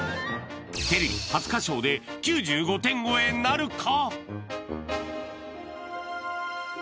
テレビ初歌唱で９５点超えなるか？